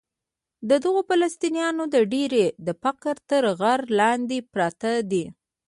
د دغو فلسطینیانو ډېری د فقر تر غره لاندې پراته دي.